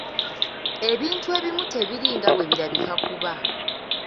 Ebintu ebimu tebiri nga bwe birabika kuba.